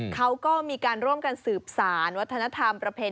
เขาก็มีการร่วมกันสืบสารวัฒนธรรมประเพณี